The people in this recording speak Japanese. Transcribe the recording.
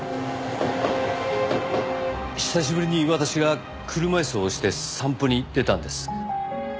久しぶりに私が車椅子を押して散歩に出たんです。